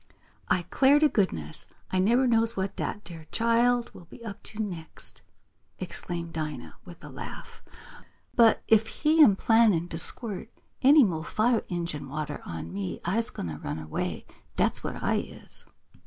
"I 'clar t' goodness I neber knows what dat ar' chile will be up to next!" exclaimed Dinah with a laugh. "But if he am plannin' to squirt any mo' fire injun water on me I's gwine t' run away, dat's what I is!"